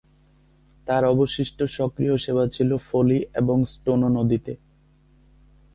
তার অবশিষ্ট সক্রিয় সেবা ছিল ফোলি এবং স্টোনো নদীতে।